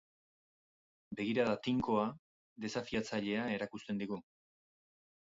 Begirada tinkoa, desafiatzailea erakusten digu.